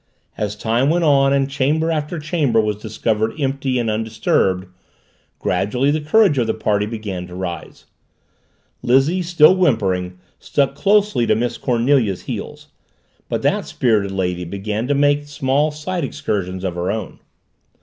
And as time went on and chamber after chamber was discovered empty and undisturbed, gradually the courage of the party began to rise. Lizzie, still whimpering, stuck closely to Miss Cornelia's heels, but that spirited lady began to make small side excursions of her own.